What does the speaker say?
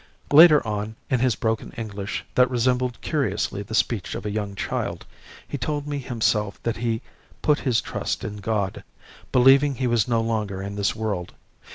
Later on, in his broken English that resembled curiously the speech of a young child, he told me himself that he put his trust in God, believing he was no longer in this world.